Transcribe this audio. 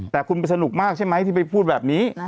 แต่คุณไปสนุกมากใช่ไหมที่ไปพูดแบบนี้